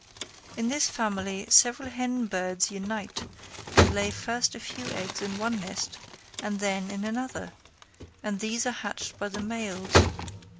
In this family several hen birds unite and lay first a few eggs in one nest and then in another; and these are hatched by the males.